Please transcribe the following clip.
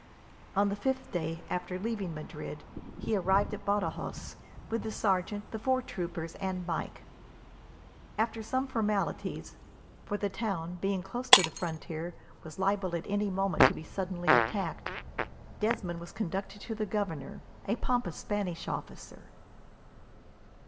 On the fifth day after leaving Madrid he arrived at Badajos, with the sergeant, the four troopers, and Mike. After some formalities for the town, being close to the frontier, was liable at any moment to be suddenly attacked Desmond was conducted to the governor, a pompous Spanish officer.